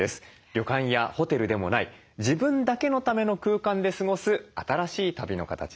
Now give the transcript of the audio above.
旅館やホテルでもない自分だけのための空間で過ごす新しい旅の形です。